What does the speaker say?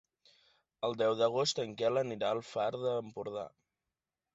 El deu d'agost en Quel anirà al Far d'Empordà.